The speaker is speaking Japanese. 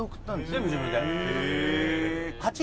全部自分で。